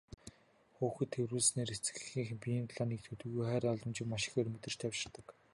Хүүхэд тэврүүлснээр эцэг эхийнхээ биеийн дулааныг төдийгүй хайр халамжийг маш ихээр мэдэрч тайвширдаг.